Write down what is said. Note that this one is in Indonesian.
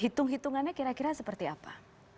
hitung hitungannya kira kira seperti apa